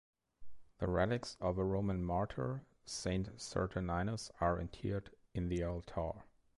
The relics of a Roman martyr, Saint Saturninus, are interred in the altar.